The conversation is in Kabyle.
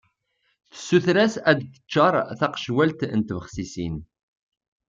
Tessuter-as ad d-teččar taqecwalt n tbexsisin.